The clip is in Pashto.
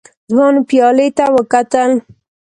ځوان پيالې ته وکتل.